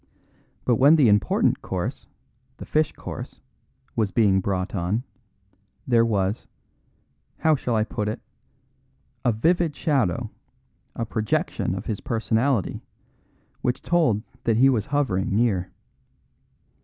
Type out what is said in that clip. But when the important course, the fish course, was being brought on, there was how shall I put it? a vivid shadow, a projection of his personality, which told that he was hovering near.